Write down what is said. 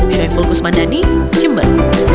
shoei fulkus mandani cimber